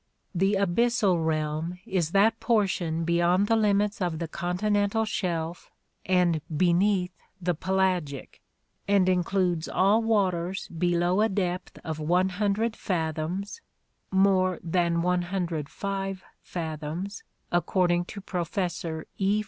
— The abyssal realm is that portion beyond the limits of the continental shelf and beneath the pelagic, and includes all waters below a depth of 100 fathoms (more than 105 fathoms according to Professor E.